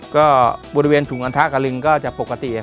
ก็บริเวณถุงกระทะกับลิงก็จะปกติ